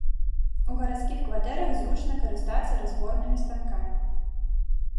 У гарадскіх кватэрах зручна карыстацца разборнымі станкамі.